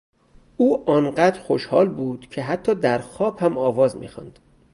او آنقدر خوشحال بود که حتی درخواب هم آواز میخواند.